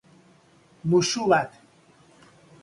Muxu bat.